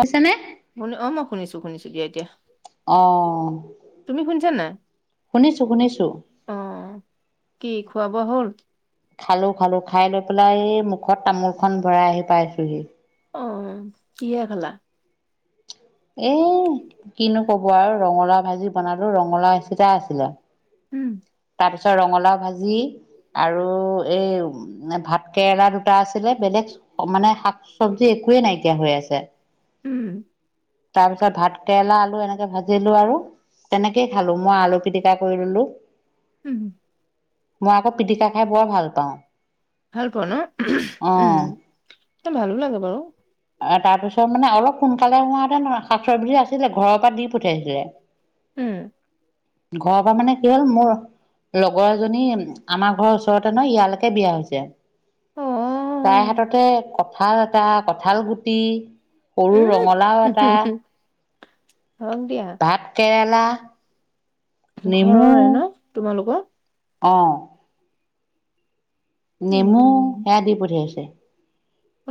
শুনিছানে? শু অ মই শুনিছো-শুনিছো দিয়া এতিয়া৷ অ তুমি শুনিছা নাই শুনিছো-শুনিছো অ কি খোৱা বোৱা হ'ল? খালো খালো খাই লৈ পেলাই এই মুখত তামোল খন ভৰাই আহি পাইছোহি। অ কিহে খালা? এ কিনো কব আৰু ৰঙালাওঁ ভাজি বনালো ৰঙালাওঁ এচিতা আছিলে উম তাৰ পিছত ৰঙালাও ভাজি আৰু এই ভাত কেৰেলা দুটা আছিলে বেলেগ মানে শাক চবজি একোৱে নাইকিয়া হৈ আছে৷ উম তাৰ পিছত ভাত কেৰেলা আলু এনেকে ভাজিলো আৰু৷ তেনেকেই খালো মই আলু পিটিকা কৰি ললো৷ উম হুম মই আকৌ পিটিকা খাই বৰ ভাল পাওঁ৷ ভাল পোৱা ন অ উম ভালো লাগে বাৰু৷ তাৰপিছত মানে অলপ সোনকালে হোৱা হেঁতেন শাক চবজি আছিলে ঘৰৰ পৰা দি পঠিয়াইছিলে। উম। ঘৰৰ পৰা মানে কি হল মোৰ লগৰ এজনী আমাৰ ঘৰৰ ওচৰতে নহয় ইয়ালৈকে বিয়া হৈছে। অ তাই হাততে কঠাল এটা কঠাল গুটি সৰু ৰঙালাও এটা হক দিয়া। ভাত কেৰেলা ঘৰৰে ন তোমালোকৰ? অঁ নেমু উম সেয়া দি পঠিয়াইছে।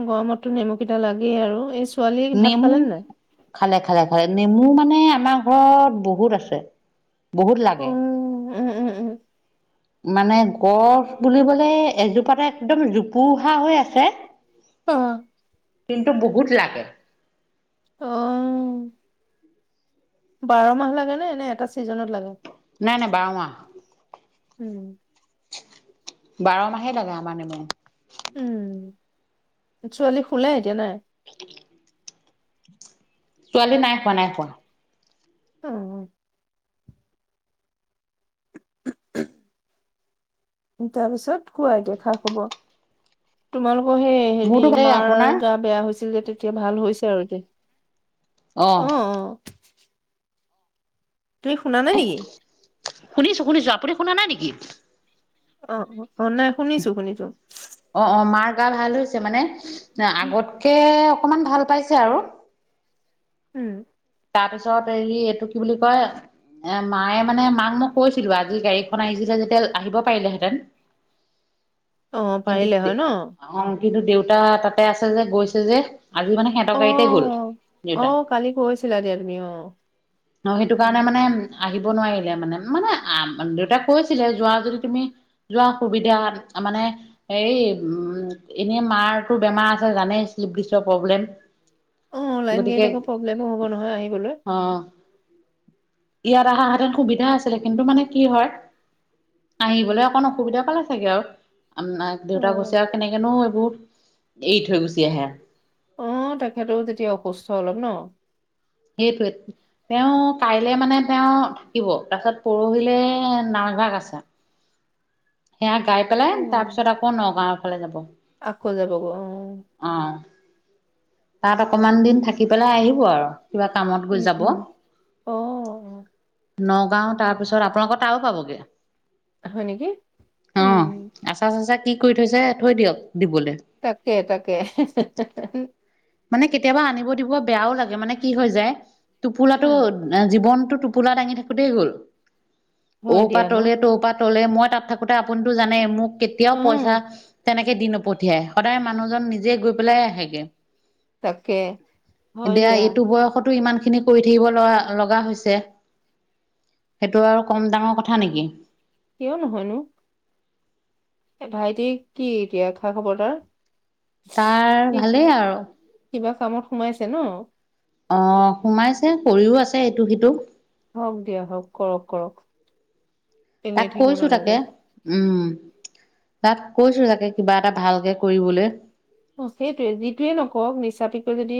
গৰমতো নেমু কেইটা লাগেই আৰু এই ছোৱালী ভাত খালে নেমু নে নাই খালে-খালে-খালে নেমু মানে আমাৰ ঘৰত বহুত আছে বহুত লাগে। উ [unintelligible] উম উম উম। মানে গছ বুলিবলে এজোপাতে একদম জোপোহা হৈ আছে অ কিন্তু বহুত লাগে। অ বাৰ মাহ লাগে নে এনে এটা চিজনত লাগে? নাই-নাই বাৰ মাহ। উম বাৰ মাহে লাগে আমাৰ নেমু৷ উম ছোৱালী শুলে এতিয়া নাই? [inaudible] ছোৱালী নাই শুৱা নাই শুৱা। অ [inaudible] তাৰ পিছত কোৱা এতিয়া খা খবৰ তোমালোকৰ সেই হেৰি মোৰতো ভালেই মাৰ আপোনাৰ গা বেয়া হৈছিল যে তেতিয়া ভাল হৈছে আৰু দেই। অ অ-অ। তুমি শুনা নাই নেকি? শুনিছো-শুনিছো আপুনি শুনা নাই নেকি? অ-অ নাই শুনিছো-শুনিছো। অ-অ মাৰ গা ভাল হৈছে মানে আগতকে অকমান ভাল পাইছে আৰু। উম তাৰ পিছত হেৰি এইটো কি বুলি কয়? এ মায়ে মানে মাক মই কৈছিলো আজি গাড়ীখন আহিছিলে যেতিয়া আহিব পাৰিলেহেতেন। [inaudible] অ পাৰিলে হয় ন। অ কিন্তু দেউতা তাতে আছে যে গৈছে যে, আজি মানে সিহতৰ অ গাড়ীতে গ'ল, অ দেউতা কালি কৈছিলা দে তুমি অ। অ সেইটো কাৰণে মানে আহিব নোৱাৰিলে মানে মানে দেউতাক কৈছিলে যোৱা যদি তুমি যোৱা সুবিধা মানে হে উম এনে মাৰটো বেমাৰ আছে জানেই শ্লিপদিচৰ প্ৰব্লেম। অ লাইন গাড়ী গতিকে আকৌ প্ৰব্লেমো হ'ব নহয় আহিবলৈ। অ ইয়াত আহা হেঁতেন সুবিধা আছিলে কিন্তু মানে কি হয়। আহিবলৈ অকণ অসুবিধা পালে চাগে আও। আ দেউতাক গৈছে আৰু অ কেনেকেনো এইবোৰত এৰি থৈ গুচি আহে। অ তেখেতৰ তেতিয়া অসুস্থ অলপ ন। সেইটোৱেট তেওঁ কাইলে মানে তেওঁ থাকিব তাৰপিছত পৰহিলে নওভাগ আছে। সেয়া গাই পেলাই তাৰ পিছত আকৌ নগাঁওৰ ফালে যাব। আকৌ যাবগৈ অ অ তাত অকমান দিন থাকি পেলাই আহিব আৰ। কিবা কামত গৈ উম যাব। উম অ নগাঁও তাৰপিছত আপোনালোকৰ তাৰো পাবগে। হয় নেকি, উম। আচা চচা কি কৰি থৈছে থৈ দিয়ক দিবলে। তাকে তাকে [unintelligible] মানে কেতিয়াবা আনিব দিব বেয়াও লাগে মানে কি হৈ যায় টোপোলাটো জীৱনতো পোলা দাঙি থাকোতেই গ'ল ঔ হয় পা দিয়া ন তলে তৌপাত- তৌলে মই তাত থাকোতে আপুনিতো জানে মোক কেতিয়াও অ পইচা তেনেক- হে দি নপঠিয়াই সদায় মানুহজন নিজে গৈ পেলাই আহেগে। তাকে হয় এতিয়া দিয়া এইটো বয়সতো ইমান খিনি কৰি থাকিব লগ লগা হৈছে। সেইটো আৰু কম ডাঙৰ কথা নেকি। কিয় নহয়নো। এ ভাইটি কি এতিয়া খা খবৰ তাৰ? তাৰ সি ভালেই আৰু। কিবা কামত সোমাইছে ন? অ সোমাইছে কৰিও আছে ইটো সিটো। হওক দিয়া হওক কৰক কৰক। এনেই তাক থাকিব কৈছো নালাগে তাকে উম, তাত কৈছো চাগে কিবা এটা ভালকে কৰিবলে সেইটোয়ে যিটোয়ে নকওক নিচাপিকৈ যদি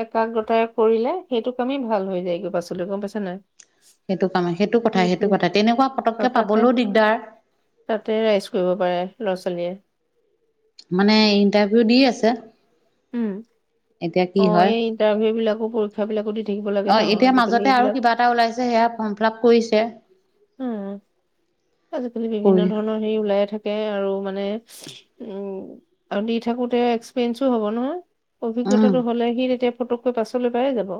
একাগ্ৰতাৰে কৰিলে সেইটোক কামে ভাল হৈ যায় গ পাছলৈ গম পাইছা নাই। সেইটো কামে সেইটো কথা সেইটো সেইটোৱে কথা তেনেকুৱা পতকে আৰু তাতে পাবলো দিগদাৰ। তাতে ৰাইচ কৰিব পাৰে ল'ৰা ছোৱালীয়ে। মানে ইন্টাৰভিউ দি আছে? উম এতিয়া কি অ হয়। এই ইণ্টাৰভিউ বিলাকো পৰীক্ষা বিলাকো দি থাকিব অ লাগে ন এতিয়া আজিকালি মাজতে আৰু এইবিলাক কিবা এটা ওলাইছে সেয়া ফ্ৰম ফিলাপ কৰিছে। উম আজিকালি বিভিন্ন কৰি ধৰণৰ হেৰি ওলাই থাকে আৰু মানে উ আৰু দি থাকোতে এক্সপেঞ্চো হব নহয়। উম অভিজ্ঞতাটো হলে সি তেতিয়া ফটককৈ পাছলৈ পায়ে যাব।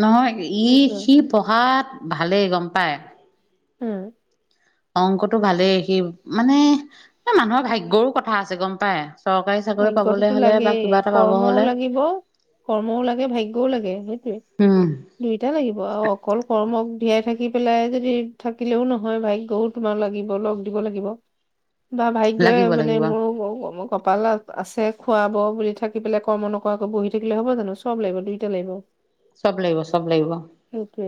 নহয় ই সি সেইটোৱে। পঢ়াত ভালেই গম পায়। উম। অংকটো ভালেই সি মানে মানুহৰ ভাগ্যৰো কথা আছে গম পাই। চৰকাৰী চাকৰি পাবলৈ ভাগ্যটোতো হ'লে বা লাগেই কিবা এটা পাব কৰ্মও হ'লে লাগিব কৰ্মও লাগে ভাগ্যও লাগে সেইটোৱে উম দুইটা লাগিব আৰু অকল কৰ্মক ধিয়াই থাকি পেলাই যদি থাকিলেও নহয় ভাগ্যও, তোমাৰ লাগিব লগ দিব লাগিব। [inaudible] বা ভাগ্যই লাগিব মানে লাগিব মোৰ কপালত আছে খুৱাব বুলি থাকি পেলাই কৰ্ম নকৰাকৈ বহি থাকিলে হ'ব জানো চব লাগিব দুইটাই লাগিব। চব লাগিব চব লাগিব। সেইটোৱে।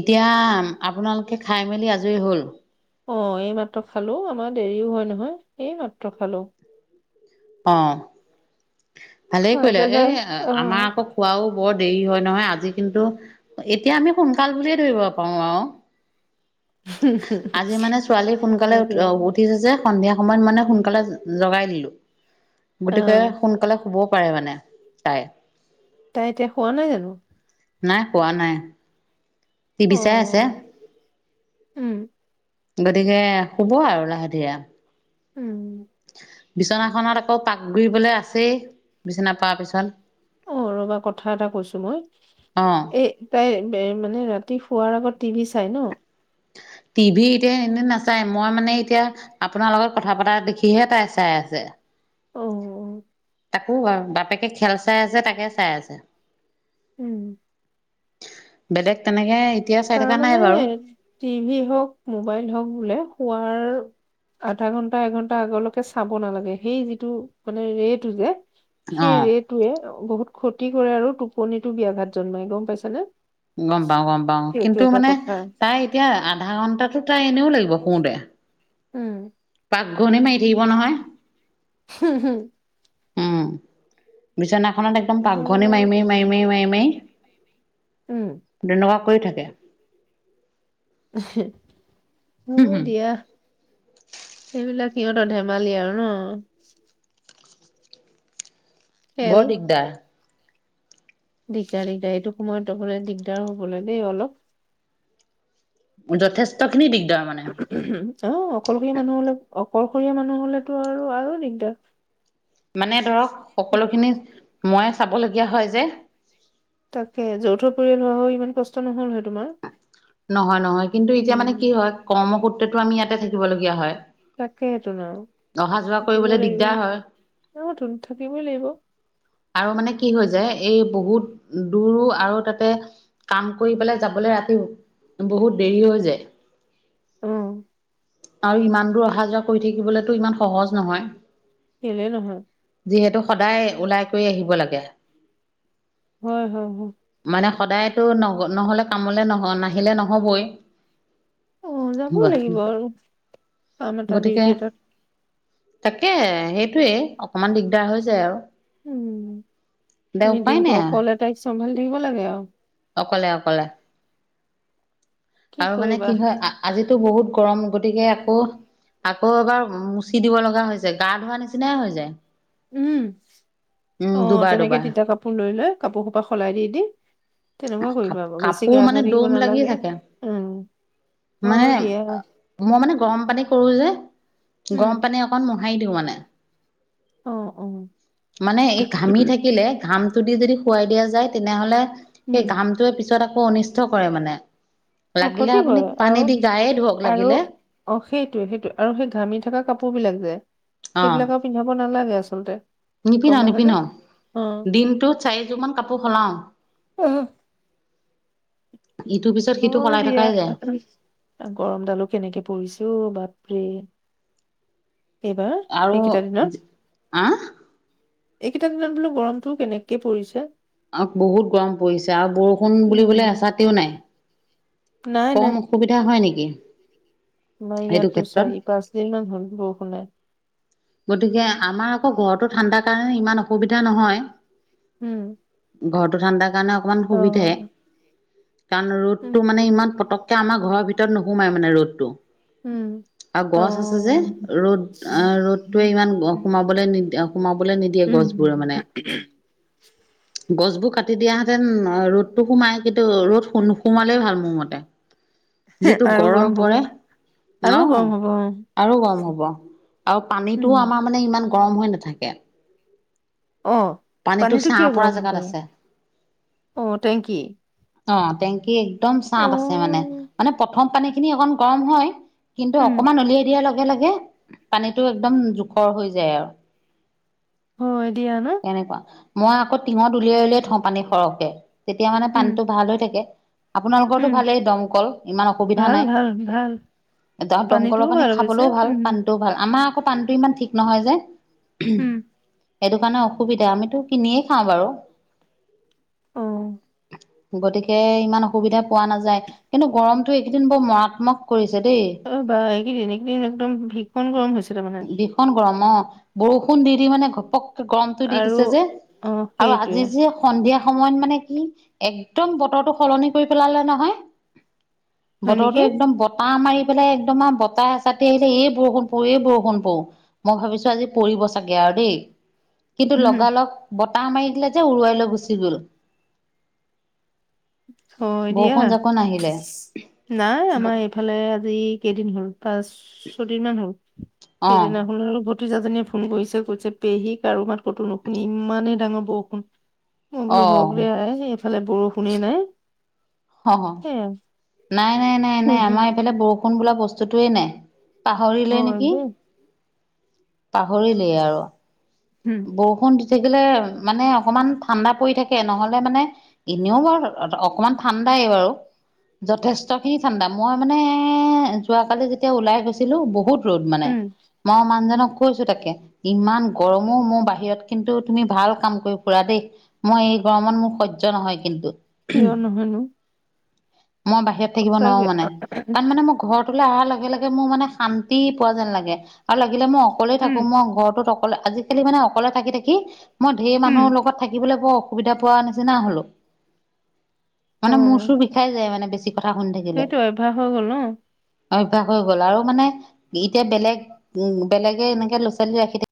এতিয়া আপোনালোকে খাই মেলি আজৰি হ'ল। অ এই মাত্ৰ খালো আমাৰ দেৰিও হয় নহয় এই মাত্ৰ খালো। অ ভালেই খাই কৰিলা এ পেলাই অ আমাৰ আক। খোৱাও বৰ দেৰি হয় নহয় আজি কিন্তু এতিয়া আমি সোনকাল বুলিয়ে ধৰিব পাৰো আও। আজি মানে ছোৱালী অ সোনকালে উ দিয়া উঠিছে যে। সন্ধিয়া সময়ত মানে সোনকালে জগাই দিলো। অ গতিকে সোনকালে শুবও পাৰে মানে তাই। তাই এতিয়া হোৱা নাই জানো। নাই হোৱা নাই টিভি অ বিচাই আছে। উম। গতিকে শুব আৰু লাহে ধীৰে। উম, বিছনাখনত আকৌ পাক ঘুৰিবলৈ আছেই বিচনা পৰা পিছত। অ ৰবা কথা এটা কৈছো মই অ'। এই, তাই মানে ৰাতি শুৱাৰ আগত টিভি চাই ন। টিভি এতিয়া এনে নাচায় মই মানে এতিয়া, আপোনাৰ লগত কথা পতা দেখিহে তাই চাই আছে। অ তাকো বাপেকে খেল চাই আছে তাকে চাই আছে। উম বেলেগ তেনেকে এতিয়া চাই থকা নাই তাৰমানে বাৰু টিভি হওক মোবাইল হওক বোলে শুৱাৰ, আধা ঘন্টা এঘন্টা আগলৈকে চাব নালাগে সেই যিটো মানে ৰেটোযে, সেই অ'। ৰেটোৱে বহুত ক্ষতি কৰে আৰু টোপনিটো বিয়াঘাত জন্মাই গম পাইছানে। গম পাওঁ গম পাওঁ সেইটো কিন্তু এটা মানে কথা তাই এতিয়া আধা ঘন্টাতো তাই এনেও লাগিব শুওতে। উম, পাকঘূনি মাৰি থাকিব নহয়। হুম হু, উ বিচনাখনত এক, একদম পাকঘূৰণি মাৰি মাৰি মাৰি হুম মাৰি মাৰি মাৰি উম তেনেকুৱা কৰি থাকে। হুম হয় হুম দিয়া। সেইবিলাক সিহঁতৰ ধেমালি আৰু ন। খেল বৰ দিগদাৰ। দিগদাৰ দিগদাৰ এইটো সময়ত অকলে দিগদাৰ শুবলৈ দিগদাৰ অলপ। যথেষ্ট খিনি দিগদাৰ মানে। অহ অকলশৰীয়া মানুহ হলে অকলশৰীয়া মানুহ হলেতো আৰু দিগদাৰ। মানে ধৰক সকলোখিনি মই চাবলগীয়া হয় যে। তাকে যৌথ পৰিয়াল হোৱা হয় ইমান কষ্ট নহল হয় তোমাৰ। নহয় নহয় কিন্তু এতিয়া মানে কি উম হয় কৰ্মসূত্ৰটো আমি ইয়াতে থাকিব লগীয়া হয়। তাকে হেতোন আৰু অহা যোৱা কৰিবলৈ থাকিবই লাগিব দিগদাৰ হয় অহ টোন থাকিবই লাগিব। আৰু মানে কি হৈ যায় এই বহুত দূৰো আৰু তাতে। কাম কৰি পেলাই যাবলৈ ৰাতি বহুত দেৰি হৈ যায়। উম। আৰু ইমান দূৰ অহা যোৱা কৰি থাকিবলেতো ইমান সহজ নহয়। কেলে নহয়। যিহেতু সদায় ওলাই কৰি আহিব লাগে। হয়, হয়, হয়। মানে সদায়তো ন নহলে কামলে নহ নাহিলে নহবই। অ যাবই লাগিব আৰু কাম এটা ডিউটি এটাত। তাকেহে সেইটোৱে অকমান দিগদাৰ হৈ যায় আৰু উম দে তুমি উপায় দিনটো নাই আৰু অকলে তাইক চম্ভালি থাকিব লাগে আৰু অকলে অকলে কি আৰু মানে কৰিবা কি হয় আজিতো বহুত গৰম গতিকে আকৌ আকৌ এবাৰ মুচি দিব লগা হৈছে গা ধোৱা নিচিনাই হৈ যায় উম উম অ দুবাৰ তেনেকে দুবাৰ তিতা কাপোৰ লৈ লৈ কাপোৰ সোপা সলাই দি দি তেনেকুৱা কৰিব বেছি কাপোৰ গা মানে ধুৱাই থাকিব দম লাগি নালাগে থাকে উম মানে হয় দিয়া মই মানে গৰম পানী কৰো যে উম গৰম পানী। অকণ মোহাৰি দিওঁ মানে। অহ, অহ। মানে এই ঘামি থাকিলে ঘামটো দি যদি শুৱাই দিয়া যায় তেনেহলে সেই উম ঘামটোৱে পি। ছত আকৌ অনিষ্ট কৰে মানে অ লাগিলে ক্ষতি আপুনি কৰে পানী আৰু দি গায়ে। ধুৱক আৰু লাগিলে অ সেইটোৱে সেইটো আৰু সেই ঘামি থকা কাপোৰ বিলাক যে সেইবিলাকক। পিন্ধাব নালাগে আচলতে। গম নিপিন্ধা পাইছানে? নিপিন্ধাও দিনটোত চাৰিযোৰ মান কাপোৰ সলাও। ইটো পিছত। সিটো হয়, সলাই থকাই যায় দিয়া গৰমডালো কেনেকে পৰিছেও বাপৰে। এইবাৰ এইকেইটা দিনত। অহ। এইকেইটা দিনত বোলো গৰমটো কেনেকে পৰিছে। বহুত গৰম পৰিছে আৰু বৰষুণ উম বুলিবলে এচাতিও নাই। নাই কম নাই অসুবিধা হয় নেকি। আমাৰ এইটো ইয়াততো ক্ষেত্ৰত? চাৰি পাঁচদিন মান হ'ল বৰষুণেত। গতিকে আমাৰ আকৌ ঘৰতো ঠাণ্ডাৰ কাৰণে ইমান অসুবিধা নহয়। উ'ম। ঘৰটো ঠাণ্ডাৰ কাৰণে অকমান অ সুবিধাই কাৰণ উম ৰ'দটো মানে ইমান পতক। কে আমাৰ ঘৰৰ ভিতৰত নোসোমাই মানে ৰদটো। উম আৰু অ গছ আছে যে ৰ'দ আহ ৰ'দ। ৰ'দ টোৱে ইমান সোমাবলৈ নিদিয় সোমাবলৈ নিদিয়ে উম গছবোৰে মানে। গছবোৰ কাটি দিয়াহেতেন ৰ'দটো সোমাই কিন্তু ৰ'দ নো সোমালেই ভাল মোৰ মতে। যিটো আৰু গৰম হ'ব পৰে আৰু অ গৰম হ'ব অ আৰু গৰম হ'ব। নীটো উম আমাৰ মানে ইমান গৰম হৈ নাথাকে। অ পানীটো ছাঁ কিয় পৰা গৰম হৈ জেগাত থাকে আছে। অ টেংকি। অ টেংকি একদম অ', চাঁট আছে মানে মানে প্ৰথম পানী খিনি অকণ গৰম হয়। কিন্তু উম, অকমান উলিয়াই দিয়াৰ লগে লগে পানীটো একদম জোখৰ হৈ যায় আও। হয়, দিয়া না। সেনেকুৱা মই আকৌ টিঙত উলিয়াই উলিয়াই থওঁ পানী সৰহকে তেতিয়া মানে উম, পানীটো ভাল হৈ থাকে। আপোনালোকৰ টো উম, ভালেই দমকল ইমান অসুবিধা ভাল, নাই। ভাল, ভাল এতিয়া দমকলৰ পানীটোও পানী ভাল অৱশ্যে খাবলৈও ভাল উম, পানীটোও ভাল। আমাৰ আকৌ পানীটো ইমান ঠিক নহয় যে। উম। সেইটো কাৰণে অসুবিধা আমিতো কিনিয়ে খাওঁ বাৰু। অ', গতিকে ইমান অসুবিধা পোৱা নাযায় কিন্তু গৰমটো এইকেইদিন বৰ মাৰাত্মক। কৰিছে দেই। অ বাই এইকেইদিন এইকেইদিন একদম ভীষণ গৰম হৈছে তাৰ মানে। ষণ গৰম অ বৰষুণ দি দি মানে ঘপক গৰমটো দি আৰু দিছে যে, অ', আৰু আজি সেইটোৱে যে সন্ধিয়া সময়ত মানে কি একদম বতৰটো সলনি কৰি পেলালে নহয়। হয় নেকি? বতৰটো একদম বত পাহ মাৰি পেলাই একদম আৰু বতাহ এচাতি আহিলে এই বৰষুণ পৰো এই বৰষুণ পও মই ভাবিছো আজি পৰিব চাগে আৰু দেই। কিন্তু উম, লগালগ বতাহ মাৰি দিলে যে উৰুৱাই লৈ গুচি গ'ল। হয়, দিয়া বৰষুণ জাকো নাহিলে নাই আমাৰ এই। ফালে আজি কেইদিন হ'ল, পাঁচ ছয়দিন মান হ'ল, সেইদিনা ভতিজা জনীয়ে ফোন কৰিছে কৈছে, পেহী কাৰো মাত কতো নুশুনি ইমানে ডাঙৰ বৰষুণ। উ [inaudible] মই বোলো হক দে আই এইফালে বৰষুণেই নাই। হ হ [inaudible] [unintelligible] নাই-নাই-নাই আমাৰ এইফালে বৰষুণ বোলা বস্তুতোৱেই নাই। পাহৰিলে হয় নেকি? দেই পাহৰিলেই আৰু। উম বৰষুণ দি থাকিলে মানে অকণমান ঠাণ্ডা পৰি থাকে, নহ'লে মানে এনেও বাৰু অকমান ঠাণ্ডাই বাৰু। যথেষ্ট খিনি ঠাণ্ডা, মই মানে যোৱাকালি যেতিয়া ওলাই গৈছিলো বহুত ৰ'দ মানে, উম মই মানুহজনক কৈছো তাকে ইমান গৰম ম মোৰ বাহিৰত কিন্তু তুমি ভাল কাম কৰি ফুৰা দেই। মই এই গৰমত মোৰ সহ্য নহয় কিন্তু। কিয় নহয়নো? মই বাহিৰত থাকিব নোৱাৰো সঁচাকে মানে তাত মানে মই ঘৰত ফালে অহাৰ লগে লগে মোৰ মানে শান্তি পোৱা যেন লাগে। আৰু লাগিলে মই অকলেই উম থাকো মই ঘৰটোত অকলে আজিকালি মানে অকলে থাকি-থাকি মই ঢেৰ উম মানুহৰ লগত থাকিবলৈ বৰ অসুবিধা পোৱা নিচিনা হলো। অ মানে মূৰ চুৰ বিষাই যায় মানে বেছি কথা শুনি থাকিলে। সেইটো অভ্যাস হৈ গ'ল ন অভ্যাস হৈ গ'ল, আৰু মানে এতিয়া বেলেগ উ বেলেগে এনেকে ল' ছোৱালী ৰাখি থাকি